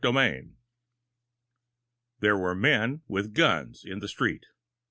VI There were men with guns in the street.